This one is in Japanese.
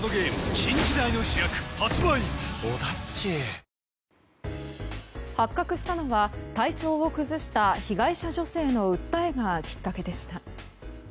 サントリー「金麦」発覚したのは体調を崩した被害者女性の訴えがきっかけでした。